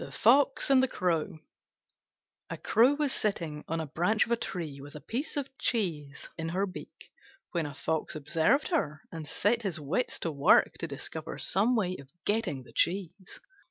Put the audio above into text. THE FOX AND THE CROW A Crow was sitting on a branch of a tree with a piece of cheese in her beak when a Fox observed her and set his wits to work to discover some way of getting the cheese.